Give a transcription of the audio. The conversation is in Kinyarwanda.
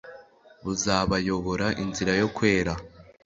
buzabayobora inzira yo kwera